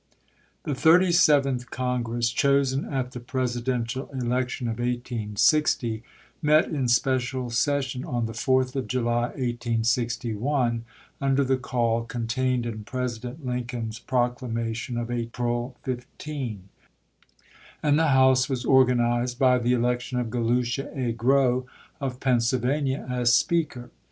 rilHE Thirty seventh Congress, chosen at the I Presidential election of 1860, met in special session on the 4th of July, 1861, under the call contained in President Lincoln's proclamation of April 15; and the House was organized by the election of Galusha A. Grow of Pennsylvania, as speaker.